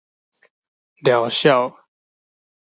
料小